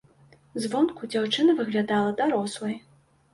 Звонку дзяўчына выглядала дарослай.